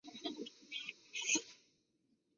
祖父郑肇。